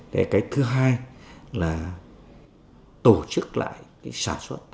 thứ hai là tổ chức lại sản xuất hay nói khác là cơ cấu lại sản xuất nông nghiệp